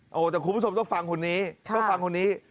โอ้โหแต่คุณผู้ชมต้องฟังคนนี้ต้องฟังคนนี้